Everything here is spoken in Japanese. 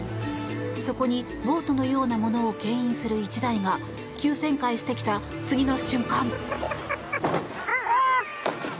そこにボートのようなものを牽引する１台が急旋回してきた、次の瞬間。